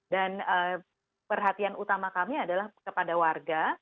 dan perhatian utama kami adalah kepada warga